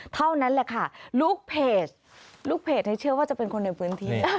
เท่านั้นแหละค่ะลูกเพจลูกเพจเชื่อว่าจะเป็นคนในพื้นที่